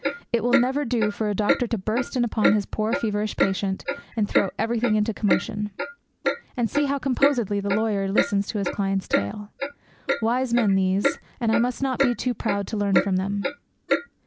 It will never do for a doctor to burst in upon his poor feverish patient, and throw everything into commotion. And see how composedly the lawyer listens to his client's tale! Wise men these; and I must not be too proud to learn from them.